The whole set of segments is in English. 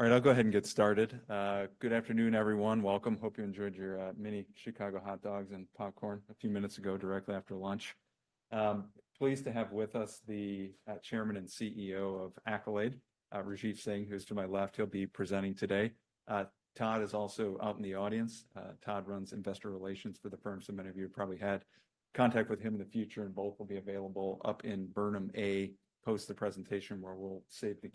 All right, I'll go ahead and get started. Good afternoon, everyone. Welcome. Hope you enjoyed your mini Chicago hot dogs and popcorn a few minutes ago, directly after lunch. Pleased to have with us the Chairman and CEO of Accolade, Rajeev Singh, who's to my left. He'll be presenting today. Todd is also out in the audience. Todd runs investor relations for the firm, so many of you have probably had contact with him in the future, and both will be available up in Burnham A post the presentation, where we'll save the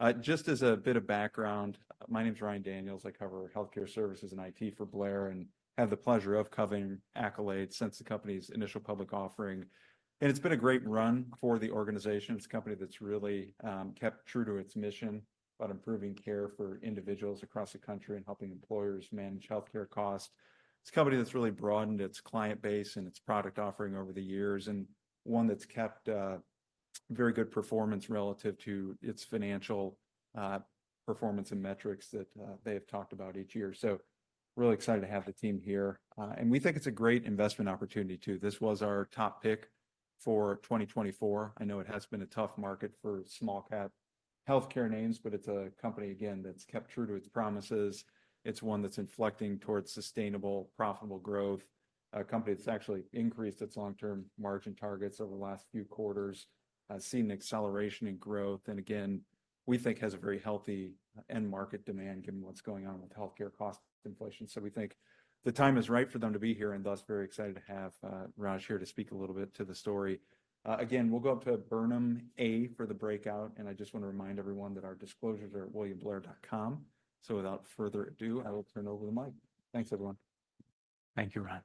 Q&A. Just as a bit of background, my name is Ryan Daniels. I cover healthcare services and IT for Blair and have the pleasure of covering Accolade since the company's initial public offering, and it's been a great run for the organization. It's a company that's really kept true to its mission about improving care for individuals across the country and helping employers manage healthcare costs. It's a company that's really broadened its client base and its product offering over the years, and one that's kept very good performance relative to its financial performance and metrics that they have talked about each year. So really excited to have the team here, and we think it's a great investment opportunity, too. This was our top pick for 2024. I know it has been a tough market for small cap healthcare names, but it's a company, again, that's kept true to its promises. It's one that's inflecting towards sustainable, profitable growth, a company that's actually increased its long-term margin targets over the last few quarters, seen an acceleration in growth, and again, we think has a very healthy end market demand, given what's going on with healthcare cost inflation. So we think the time is right for them to be here, and thus very excited to have, Raj here to speak a little bit to the story. Again, we'll go up to Burnham A for the breakout, and I just want to remind everyone that our disclosures are at williamblair.com. So without further ado, I will turn over the mic. Thanks, everyone. Thank you, Ryan.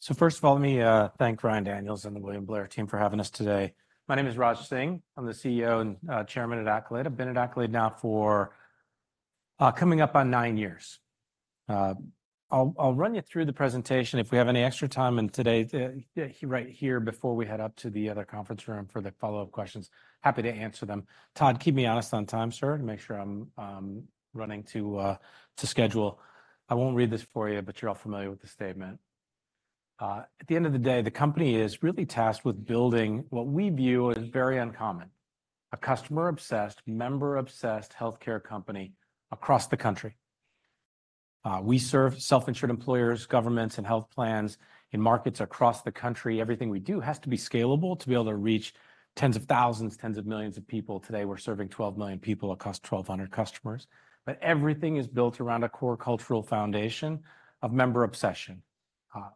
Yeah. So first of all, let me thank Ryan Daniels and the William Blair team for having us today. My name is Raj Singh. I'm the CEO and chairman at Accolade. I've been at Accolade now for coming up on nine years. I'll run you through the presentation. If we have any extra time today, right here before we head up to the other conference room for the follow-up questions, happy to answer them. Todd, keep me honest on time, sir, to make sure I'm running to schedule. I won't read this for you, but you're all familiar with the statement. At the end of the day, the company is really tasked with building what we view as very uncommon: a customer-obsessed, member-obsessed healthcare company across the country. We serve self-insured employers, governments, and health plans in markets across the country. Everything we do has to be scalable to be able to reach tens of thousands, tens of millions of people. Today, we're serving 12 million people across 1,200 customers. But everything is built around a core cultural foundation of member obsession,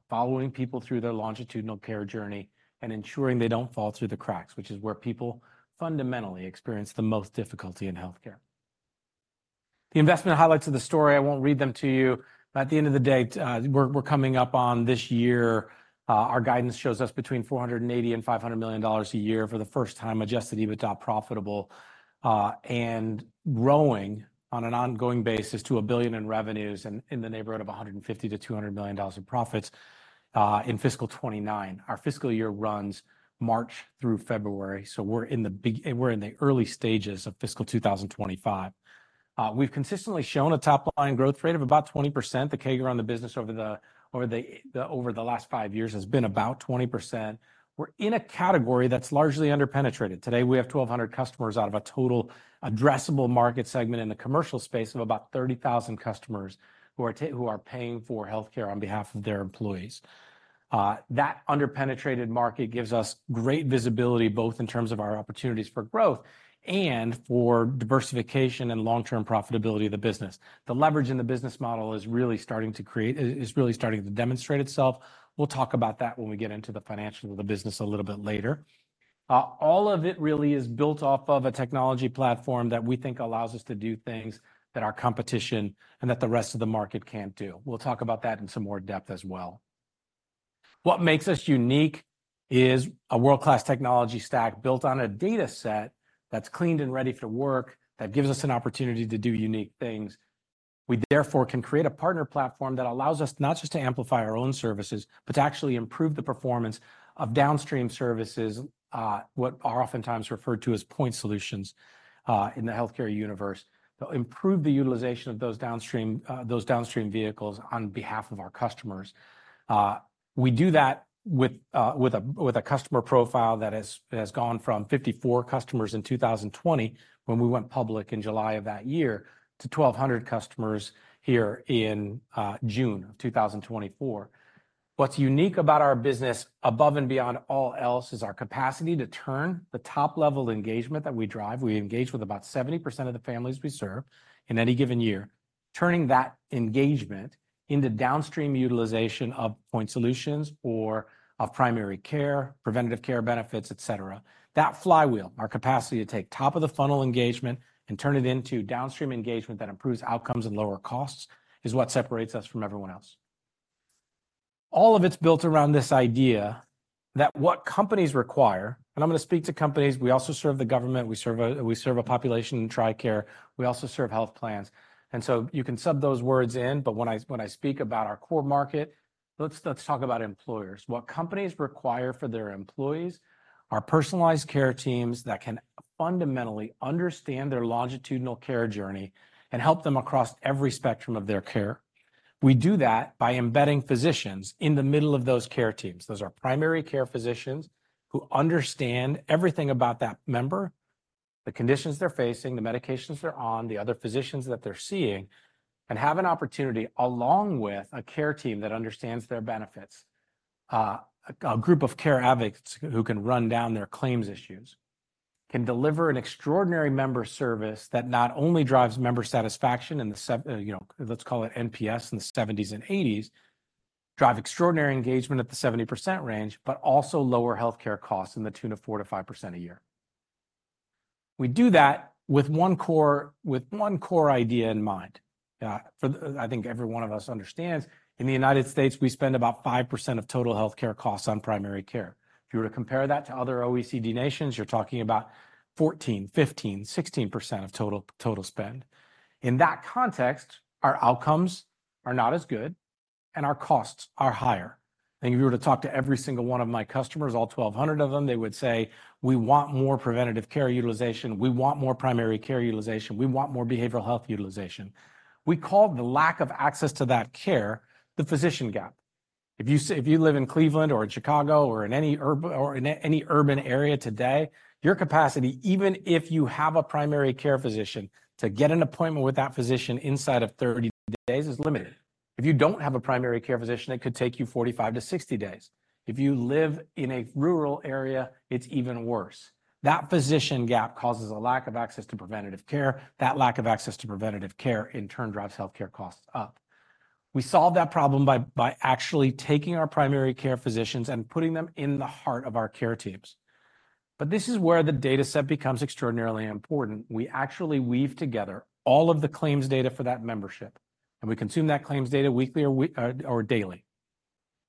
following people through their longitudinal care journey and ensuring they don't fall through the cracks, which is where people fundamentally experience the most difficulty in healthcare. The investment highlights of the story, I won't read them to you, but at the end of the day, we're coming up on this year, our guidance shows us between $480 million and $500 million a year for the first time, Adjusted EBITDA profitable, and growing on an ongoing basis to $1 billion in revenues and in the neighborhood of $150 million-$200 million in profits, in fiscal 2029. Our fiscal year runs March through February, so we're in the early stages of fiscal 2025. We've consistently shown a top-line growth rate of about 20%. The CAGR on the business over the last five years has been about 20%. We're in a category that's largely underpenetrated. Today, we have 1,200 customers out of a total addressable market segment in the commercial space of about 30,000 customers who are paying for healthcare on behalf of their employees. That underpenetrated market gives us great visibility, both in terms of our opportunities for growth and for diversification and long-term profitability of the business. The leverage in the business model is really starting to create, is, is really starting to demonstrate itself. We'll talk about that when we get into the financials of the business a little bit later. All of it really is built off of a technology platform that we think allows us to do things that our competition and that the rest of the market can't do. We'll talk about that in some more depth as well. What makes us unique is a world-class technology stack built on a data set that's cleaned and ready for work, that gives us an opportunity to do unique things. We therefore can create a partner platform that allows us not just to amplify our own services, but to actually improve the performance of downstream services, what are oftentimes referred to as point solutions, in the healthcare universe. They'll improve the utilization of those downstream, those downstream vehicles on behalf of our customers. We do that with a customer profile that has gone from 54 customers in 2020, when we went public in July of that year, to 1,200 customers here in June of 2024. What's unique about our business, above and beyond all else, is our capacity to turn the top-level engagement that we drive. We engage with about 70% of the families we serve in any given year. Turning that engagement into downstream utilization of point solutions or of primary care, preventative care benefits, et cetera. That flywheel, our capacity to take top-of-the-funnel engagement and turn it into downstream engagement that improves outcomes and lower costs, is what separates us from everyone else. All of it's built around this idea that what companies require, and I'm gonna speak to companies, we also serve the government, we serve a population in TRICARE, we also serve health plans, and so you can sub those words in, but when I speak about our core market, let's talk about employers. What companies require for their employees are personalized care teams that can fundamentally understand their longitudinal care journey and help them across every spectrum of their care. We do that by embedding physicians in the middle of those care teams. Those are primary care physicians who understand everything about that member, the conditions they're facing, the medications they're on, the other physicians that they're seeing, and have an opportunity, along with a care team that understands their benefits. A group of care advocates who can run down their claims issues, can deliver an extraordinary member service that not only drives member satisfaction in the – you know, let's call it NPS in the 70s and 80s, drive extraordinary engagement at the 70% range, but also lower healthcare costs in the tune of 4%-5% a year. We do that with one core, with one core idea in mind. I think every one of us understands, in the United States, we spend about 5% of total healthcare costs on primary care. If you were to compare that to other OECD nations, you're talking about 14, 15, 16% of total, total spend. In that context, our outcomes are not as good, and our costs are higher. I think if you were to talk to every single one of my customers, all 1,200 of them, they would say: "We want more preventative care utilization, we want more primary care utilization, we want more behavioral health utilization." We call the lack of access to that care the physician gap. If you live in Cleveland or in Chicago or in any urban area today, your capacity, even if you have a primary care physician, to get an appointment with that physician inside of 30 days is limited. If you don't have a primary care physician, it could take you 45-60 days. If you live in a rural area, it's even worse. That physician gap causes a lack of access to preventative care. That lack of access to preventative care, in turn, drives healthcare costs up. We solve that problem by actually taking our primary care physicians and putting them in the heart of our care teams. But this is where the data set becomes extraordinarily important. We actually weave together all of the claims data for that membership, and we consume that claims data weekly or daily.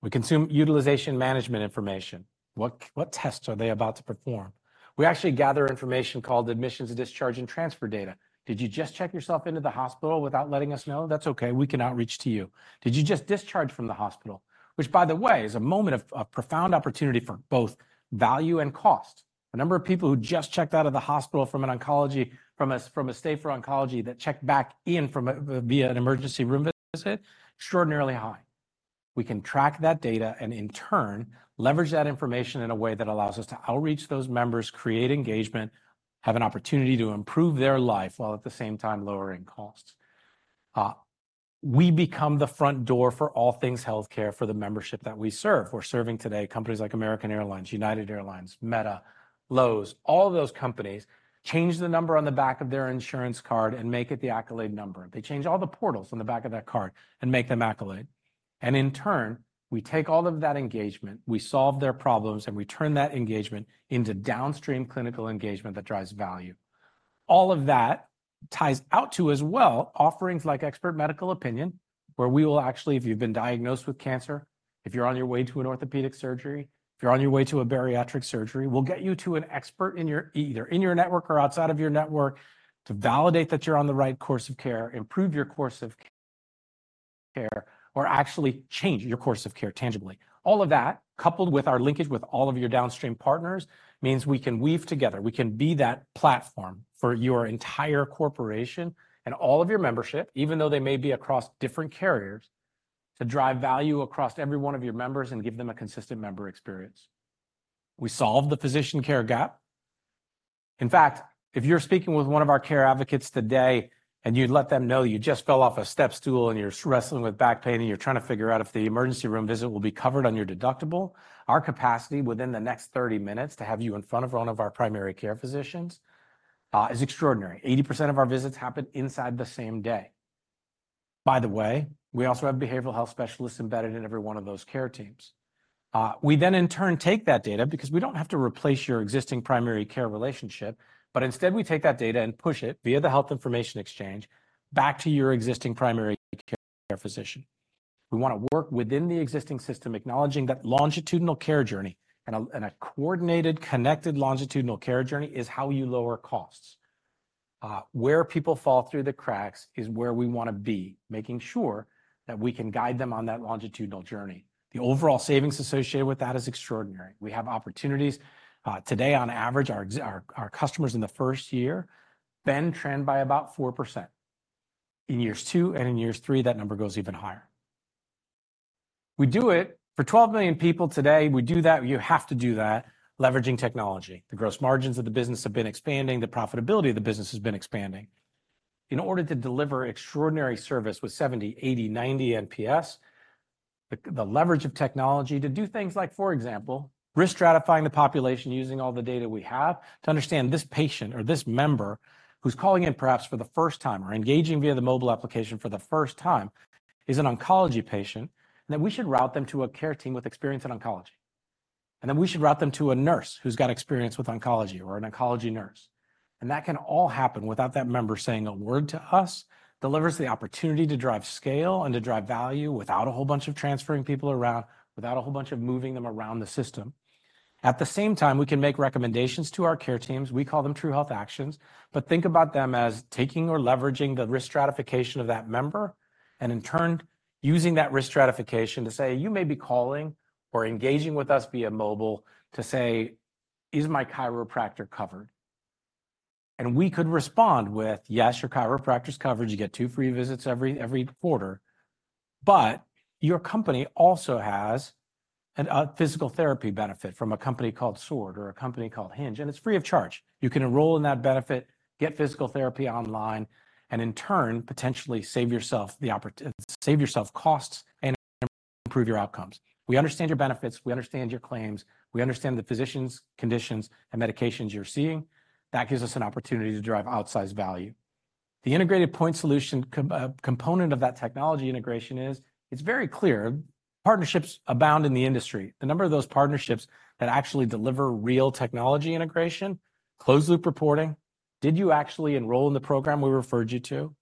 We consume utilization management information. What tests are they about to perform? We actually gather information called admissions, discharge, and transfer data. Did you just check yourself into the hospital without letting us know? That's okay, we can outreach to you. Did you just discharge from the hospital? Which, by the way, is a moment of profound opportunity for both value and cost. The number of people who just checked out of the hospital from a stay for oncology that checked back in via an emergency room visit, extraordinarily high. We can track that data and, in turn, leverage that information in a way that allows us to outreach those members, create engagement, have an opportunity to improve their life, while at the same time lowering costs. We become the front door for all things healthcare for the membership that we serve. We're serving today companies like American Airlines, United Airlines, Meta, Lowe's. All those companies change the number on the back of their insurance card and make it the Accolade number. They change all the portals on the back of that card and make them Accolade. And in turn, we take all of that engagement, we solve their problems, and we turn that engagement into downstream clinical engagement that drives value. All of that ties out to, as well, offerings like Expert Medical Opinion, where we will actually, if you've been diagnosed with cancer, if you're on your way to an orthopedic surgery, if you're on your way to a bariatric surgery, we'll get you to an expert in your, either in your network or outside of your network, to validate that you're on the right course of care, improve your course of care, or actually change your course of care tangibly. All of that, coupled with our linkage with all of your downstream partners, means we can weave together. We can be that platform for your entire corporation and all of your membership, even though they may be across different carriers, to drive value across every one of your members and give them a consistent member experience. We solve the physician care gap. In fact, if you're speaking with one of our care advocates today, and you'd let them know you just fell off a step stool and you're wrestling with back pain, and you're trying to figure out if the emergency room visit will be covered on your deductible, our capacity within the next 30 minutes to have you in front of one of our primary care physicians is extraordinary. 80% of our visits happen inside the same day. By the way, we also have behavioral health specialists embedded in every one of those care teams. We then in turn take that data because we don't have to replace your existing primary care relationship, but instead, we take that data and push it via the Health Information Exchange, back to your existing primary care physician. We wanna work within the existing system, acknowledging that longitudinal care journey and a coordinated, connected, longitudinal care journey is how you lower costs. Where people fall through the cracks is where we wanna be, making sure that we can guide them on that longitudinal journey. The overall savings associated with that is extraordinary. We have opportunities. Today, on average, our customers in the first year bend trend by about 4%. In years 2 and 3, that number goes even higher. We do it for 12 million people today. We do that, we have to do that, leveraging technology. The gross margins of the business have been expanding, the profitability of the business has been expanding. In order to deliver extraordinary service with 70, 80, 90 NPS, the leverage of technology to do things like, for example, risk stratifying the population, using all the data we have to understand this patient or this member who's calling in perhaps for the first time, or engaging via the mobile application for the first time, is an oncology patient, then we should route them to a care team with experience in oncology. And then we should route them to a nurse who's got experience with oncology or an oncology nurse. And that can all happen without that member saying a word to us. Delivers the opportunity to drive scale and to drive value without a whole bunch of transferring people around, without a whole bunch of moving them around the system. At the same time, we can make recommendations to our care teams. We call them True Health Actions, but think about them as taking or leveraging the risk stratification of that member, and in turn, using that risk stratification to say: "You may be calling or engaging with us via mobile to say, 'Is my chiropractor covered?'" And we could respond with: "Yes, your chiropractor's covered. You get two free visits every quarter. But your company also has a physical therapy benefit from a company called Sword or a company called Hinge, and it's free of charge. You can enroll in that benefit, get physical therapy online, and in turn, potentially save yourself costs and improve your outcomes." We understand your benefits, we understand your claims, we understand the physicians, conditions, and medications you're seeing. That gives us an opportunity to drive outsized value. The integrated point solution component of that technology integration is, it's very clear, partnerships abound in the industry. The number of those partnerships that actually deliver real technology integration, closed-loop reporting. Did you actually enroll in the program we referred you to?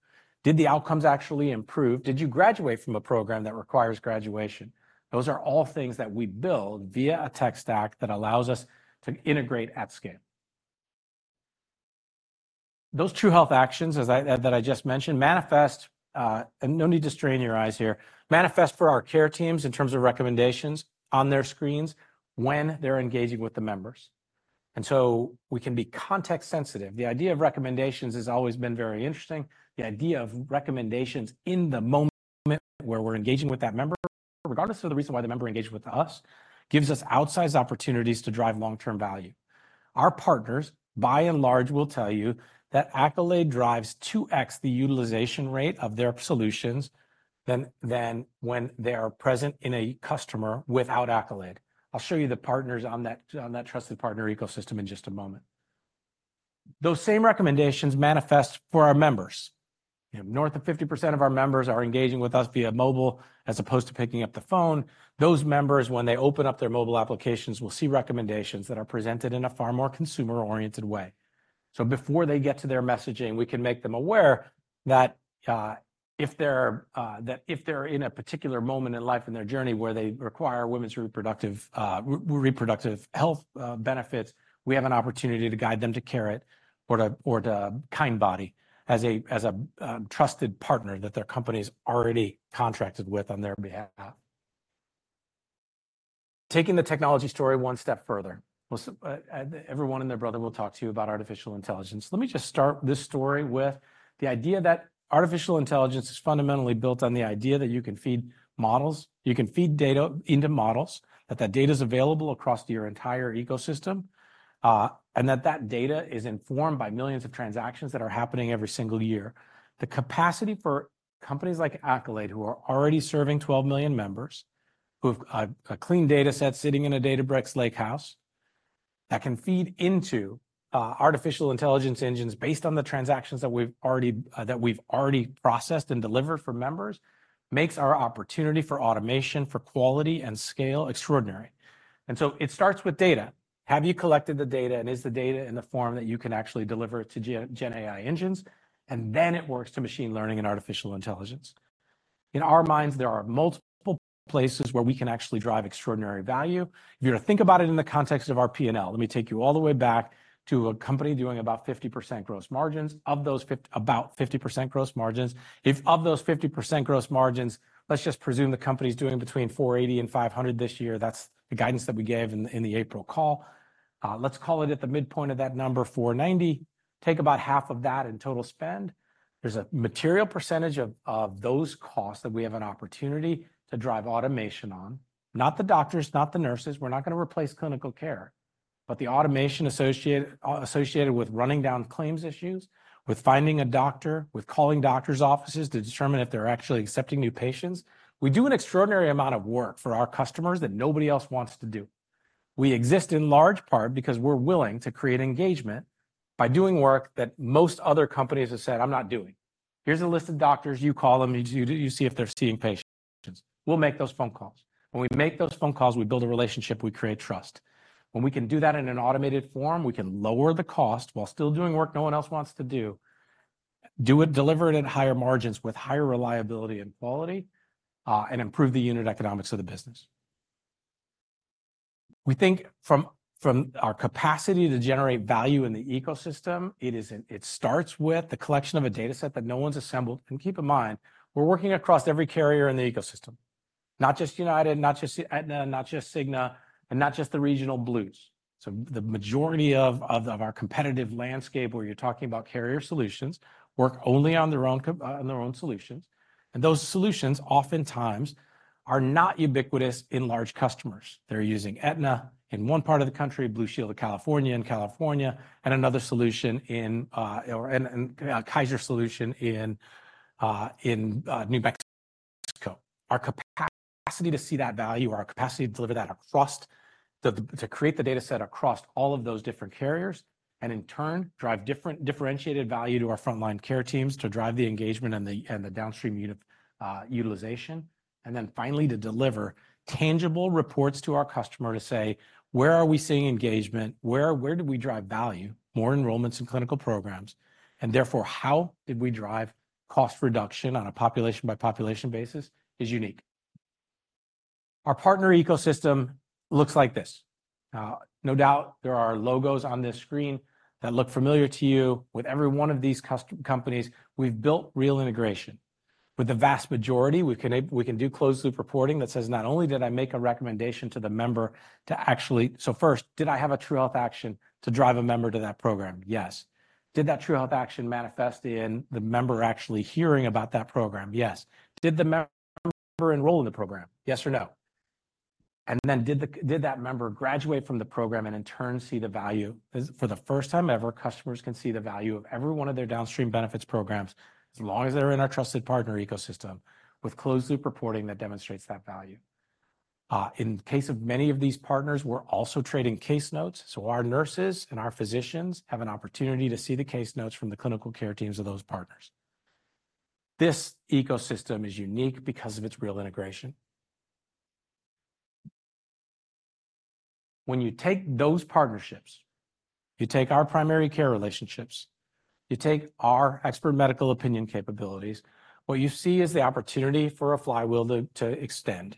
Did the outcomes actually improve? Did you graduate from a program that requires graduation? Those are all things that we build via a tech stack that allows us to integrate at scale. Those True Health Actions that I just mentioned manifest, and no need to strain your eyes here, manifest for our care teams in terms of recommendations on their screens when they're engaging with the members. And so we can be context-sensitive. The idea of recommendations has always been very interesting. The idea of recommendations in the moment where we're engaging with that member, regardless of the reason why the member engaged with us, gives us outsized opportunities to drive long-term value. Our partners, by and large, will tell you that Accolade drives 2x the utilization rate of their solutions than when they are present in a customer without Accolade. I'll show you the partners on that Trusted Partner Ecosystem in just a moment. Those same recommendations manifest for our members. North of 50% of our members are engaging with us via mobile, as opposed to picking up the phone. Those members, when they open up their mobile applications, will see recommendations that are presented in a far more consumer-oriented way. So before they get to their messaging, we can make them aware that, if they're, that if they're in a particular moment in life in their journey where they require women's reproductive health benefits, we have an opportunity to guide them to Carrot or to Kindbody as a trusted partner that their company's already contracted with on their behalf. Taking the technology story one step further, well, everyone and their brother will talk to you about artificial intelligence. Let me just start this story with the idea that artificial intelligence is fundamentally built on the idea that you can feed models, you can feed data into models, that that data is available across your entire ecosystem, and that that data is informed by millions of transactions that are happening every single year. The capacity for companies like Accolade, who are already serving 12 million members, who have a clean data set sitting in a Databricks Lakehouse, that can feed into artificial intelligence engines based on the transactions that we've already processed and delivered for members, makes our opportunity for automation, for quality and scale extraordinary. And so it starts with data. Have you collected the data, and is the data in the form that you can actually deliver it to gen AI engines? And then it works to machine learning and artificial intelligence. In our minds, there are multiple places where we can actually drive extraordinary value. If you were to think about it in the context of our P&L, let me take you all the way back to a company doing about 50% gross margins. Of those about 50% gross margins, if of those 50% gross margins, let's just presume the company's doing between $480-$500 this year. That's the guidance that we gave in the April call. Let's call it at the midpoint of that number, $490. Take about half of that in total spend. There's a material percentage of those costs that we have an opportunity to drive automation on. Not the doctors, not the nurses. We're not gonna replace clinical care, but the automation associated with running down claims issues, with finding a doctor, with calling doctor's offices to determine if they're actually accepting new patients. We do an extraordinary amount of work for our customers that nobody else wants to do. We exist in large part because we're willing to create engagement by doing work that most other companies have said, "I'm not doing." Here's a list of doctors. You call them, you see if they're seeing patients. We'll make those phone calls. When we make those phone calls, we build a relationship, we create trust. When we can do that in an automated form, we can lower the cost while still doing work no one else wants to do. Do it, deliver it at higher margins with higher reliability and quality, and improve the unit economics of the business. We think from our capacity to generate value in the ecosystem, it is it starts with the collection of a data set that no one's assembled. And keep in mind, we're working across every carrier in the ecosystem, not just United, not just Aetna, not just Cigna, and not just the regional Blues. So the majority of our competitive landscape, where you're talking about carrier solutions, work only on their own solutions, and those solutions oftentimes are not ubiquitous in large customers. They're using Aetna in one part of the country, Blue Shield of California in California, and another solution in, and a Kaiser solution in New Mexico. Our capacity to see that value or our capacity to deliver that across, to, to create the data set across all of those different carriers, and in turn, drive different-- differentiated value to our frontline care teams to drive the engagement and the, and the downstream utilization, and then finally, to deliver tangible reports to our customer to say, "Where are we seeing engagement? Where, where do we drive value, more enrollments in clinical programs, and therefore, how did we drive cost reduction on a population-by-population basis?" is unique. Our partner ecosystem looks like this. No doubt there are logos on this screen that look familiar to you. With every one of these companies, we've built real integration.... With the vast majority, we can do closed-loop reporting that says, not only did I make a recommendation to the member to actually—So first, did I have a True Health Action to drive a member to that program? Yes. Did that True Health Action manifest in the member actually hearing about that program? Yes. Did the member enroll in the program? Yes or no? And then did the, did that member graduate from the program and in turn, see the value? For the first time ever, customers can see the value of every one of their downstream benefits programs, as long as they're in our Trusted Partner Ecosystem, with closed-loop reporting that demonstrates that value. In case of many of these partners, we're also trading case notes, so our nurses and our physicians have an opportunity to see the case notes from the clinical care teams of those partners. This ecosystem is unique because of its real integration. When you take those partnerships, you take our primary care relationships, you take our Expert Medical Opinion capabilities, what you see is the opportunity for a flywheel to extend.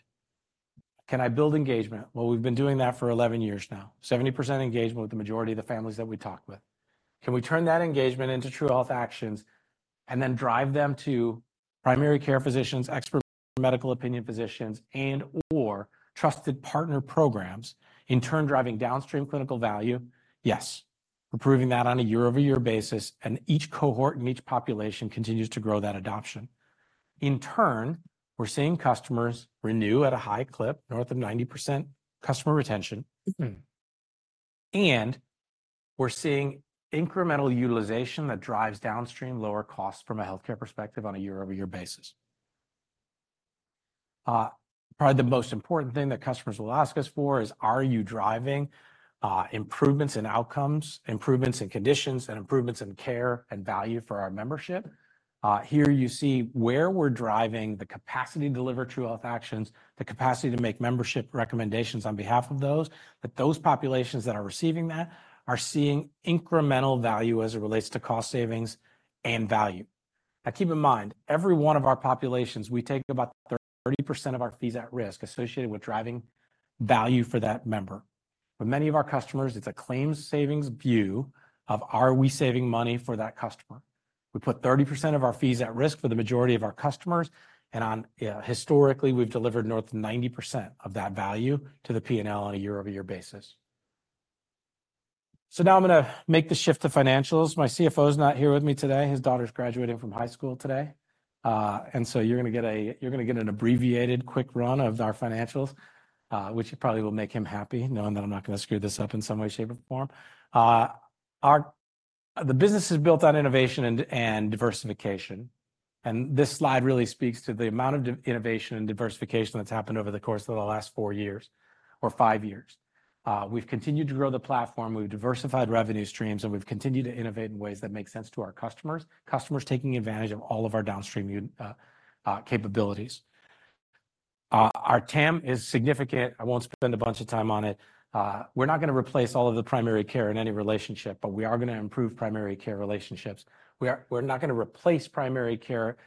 Can I build engagement? Well, we've been doing that for 11 years now. 70% engagement with the majority of the families that we talk with. Can we turn that engagement into True Health Actions and then drive them to primary care physicians, Expert Medical Opinion physicians, and/or trusted partner programs, in turn, driving downstream clinical value? Yes, we're proving that on a year-over-year basis, and each cohort and each population continues to grow that adoption. In turn, we're seeing customers renew at a high clip, north of 90% customer retention, and we're seeing incremental utilization that drives downstream lower costs from a healthcare perspective on a year-over-year basis. Probably the most important thing that customers will ask us for is: Are you driving improvements in outcomes, improvements in conditions, and improvements in care and value for our membership? Here you see where we're driving the capacity to deliver True Health Actions, the capacity to make membership recommendations on behalf of those, that those populations that are receiving that are seeing incremental value as it relates to cost savings and value. Now, keep in mind, every one of our populations, we take about 30% of our fees at risk associated with driving value for that member. For many of our customers, it's a claims savings view of, are we saving money for that customer? We put 30% of our fees at risk for the majority of our customers, and, historically, we've delivered north of 90% of that value to the P&L on a year-over-year basis. So now I'm gonna make the shift to financials. My CFO is not here with me today. His daughter's graduating from high school today, and so you're gonna get an abbreviated quick run of our financials, which probably will make him happy, knowing that I'm not gonna screw this up in some way, shape, or form. The business is built on innovation and, and diversification, and this slide really speaks to the amount of innovation and diversification that's happened over the course of the last four years or five years. We've continued to grow the platform, we've diversified revenue streams, and we've continued to innovate in ways that make sense to our customers. Customers taking advantage of all of our downstream capabilities. Our TAM is significant. I won't spend a bunch of time on it. We're not gonna replace all of the primary care in any relationship, but we are gonna improve primary care relationships. We're not gonna replace primary care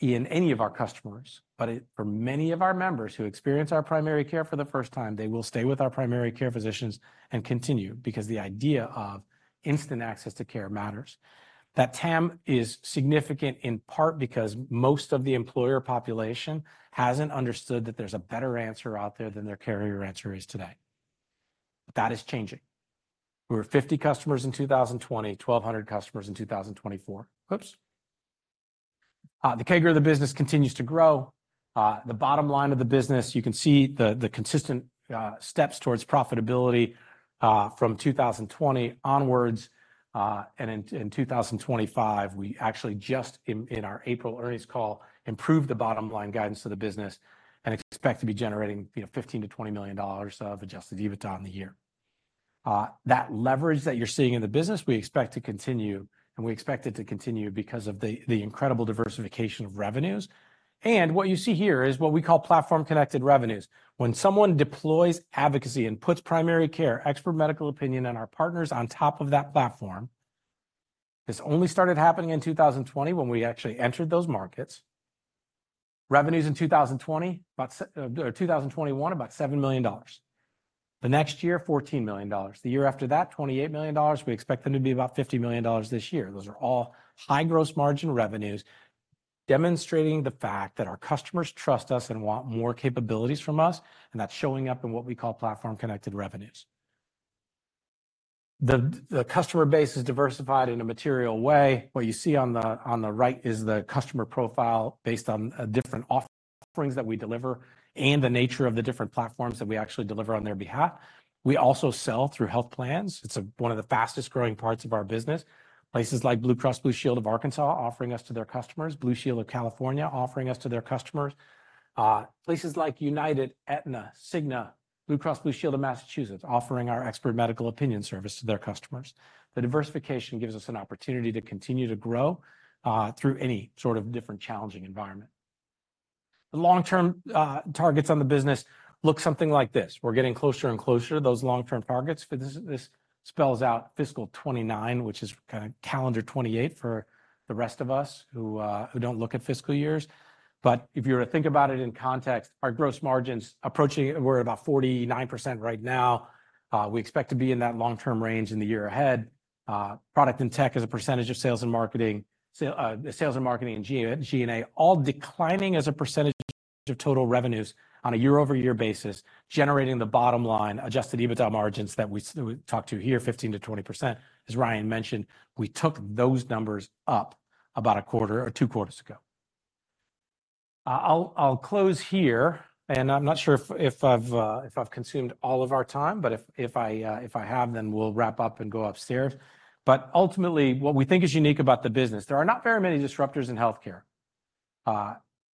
in any of our customers, but it, for many of our members who experience our primary care for the first time, they will stay with our primary care physicians and continue, because the idea of instant access to care matters. That TAM is significant in part because most of the employer population hasn't understood that there's a better answer out there than their carrier answer is today. That is changing. We were 50 customers in 2020, 1,200 customers in 2024. Oops! The CAGR of the business continues to grow. The bottom line of the business, you can see the consistent steps towards profitability from 2020 onwards. And in 2025, we actually just in our April earnings call, improved the bottom line guidance to the business and expect to be generating, you know, $15 million-$20 million of Adjusted EBITDA in the year. That leverage that you're seeing in the business, we expect to continue, and we expect it to continue because of the incredible diversification of revenues. And what you see here is what we call Platform Connect revenues. When someone deploys advocacy and puts primary care, Expert Medical Opinion, and our partners on top of that platform, this only started happening in 2020, when we actually entered those markets. Revenues in 2020, about 2021, about $7 million. The next year, $14 million. The year after that, $28 million. We expect them to be about $50 million this year. Those are all high gross margin revenues, demonstrating the fact that our customers trust us and want more capabilities from us, and that's showing up in what we call platform-connected revenues. The customer base is diversified in a material way. What you see on the right is the customer profile based on different offerings that we deliver and the nature of the different platforms that we actually deliver on their behalf. We also sell through health plans. It's a one of the fastest-growing parts of our business. Places like Blue Cross Blue Shield of Arkansas offering us to their customers, Blue Shield of California offering us to their customers. Places like United, Aetna, Cigna, Blue Cross Blue Shield of Massachusetts, offering our Expert Medical Opinion service to their customers. The diversification gives us an opportunity to continue to grow through any sort of different challenging environment. The long-term targets on the business look something like this. We're getting closer and closer to those long-term targets. For this, this spells out fiscal 2029, which is kinda calendar 2028 for the rest of us who don't look at fiscal years. But if you were to think about it in context, our gross margins approaching... We're about 49% right now. We expect to be in that long-term range in the year ahead. Product and tech as a percentage of sales and marketing, sales and marketing and G&A, all declining as a percentage of total revenues on a year-over-year basis, generating the bottom line, adjusted EBITDA margins that we talked to here, 15%-20%. As Ryan mentioned, we took those numbers up about a quarter or Q2 ago. I'll close here, and I'm not sure if I've consumed all of our time, but if I have, then we'll wrap up and go upstairs. But ultimately, what we think is unique about the business, there are not very many disruptors in healthcare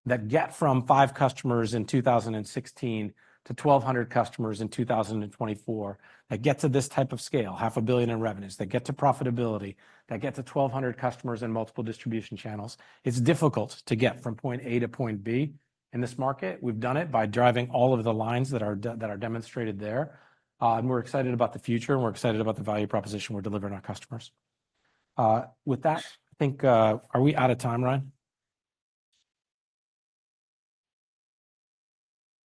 that get from 5 customers in 2016 to 1,200 customers in 2024, that get to this type of scale, $500 million in revenues, that get to profitability, that get to 1,200 customers in multiple distribution channels. It's difficult to get from point A to point B in this market. We've done it by driving all of the lines that are demonstrated there. And we're excited about the future, and we're excited about the value proposition we're delivering our customers. With that, I think, are we out of time, Ryan?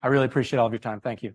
I really appreciate all of your time. Thank you.